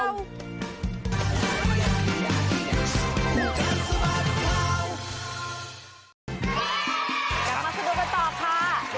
กลับมาสนุกกันต่อค่ะ